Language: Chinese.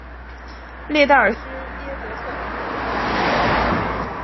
列代尔施耶德特人口变化图示